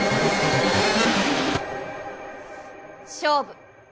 勝負！